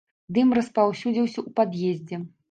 Дым распаўсюдзіўся ў пад'ездзе.